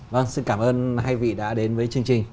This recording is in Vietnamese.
vâng xin cảm ơn hai vị đã đến với chương trình